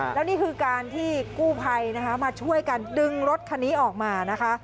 แล้วนี่คือการที่กู้ภัยนะคะมาช่วยกันดึงรถคันนี้ออกมานะคะ